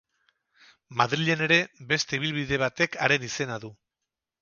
Madrilen ere beste ibilbide batek haren izena du.